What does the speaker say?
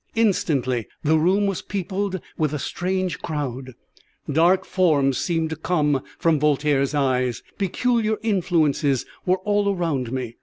Instantly the room was peopled with a strange crowd. Dark forms seemed to come from Voltaire's eyes; peculiar influences were all around me.